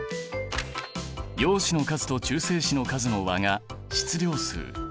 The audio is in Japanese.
陽子の数と中性子の数の和が質量数。